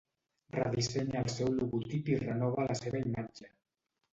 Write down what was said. Redissenya el seu logotip i renova la seva imatge.